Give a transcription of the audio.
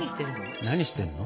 何してるの？